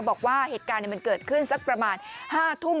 บอกว่าเหตุการณ์มันเกิดขึ้นสักประมาณ๕ทุ่ม